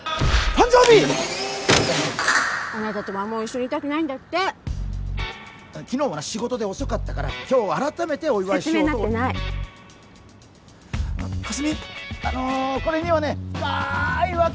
あなたとはもう一緒にいたくないんだって昨日はな仕事で遅かったから今日改めてお祝いしようと説明になってないか